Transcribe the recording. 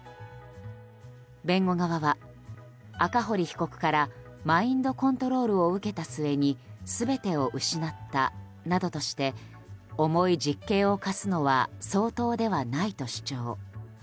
弁護側は、赤堀被告からマインドコントロールを受けた末に全てを失ったなどとして重い実刑を科すのは相当ではないと主張。